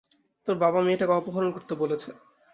তোর বাবা মেয়েটাকে অপহরণ করতে বলেছে।